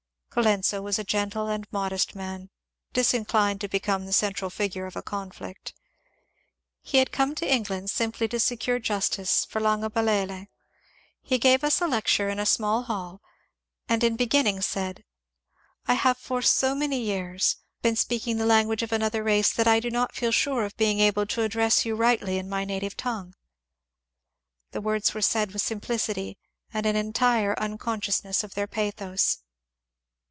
Colenso was a gentle and modest man and disinclined to become the central figure of a conflict. He had come to England simply to secure justice for Langabalele. He gave us a lecture in a small hall, and in beginning said, ^^ I have for so many years been speaking in the language of another 328 MONCURE DANIEL CX)NWAY race that I do not feel sure of being able to address yoa rigbtly in my native tongue." The words were said with simplicity and an entire unconsciousness of their pathos.